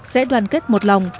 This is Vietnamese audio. sẽ đoàn kết một lòng